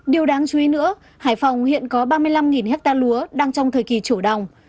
điều đáng chú ý nữa hải phòng hiện có ba mươi năm hectare lúa đang trong thời kỳ chủ đồng